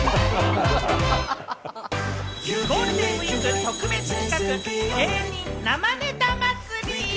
ゴールデンウイーク特別企画・芸人生ネタ祭！